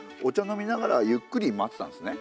飲みながらゆっくり待ってたんですね。